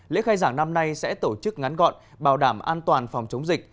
lễ khai giảng năm nay sẽ tổ chức ngắn gọn bảo đảm an toàn phòng chống dịch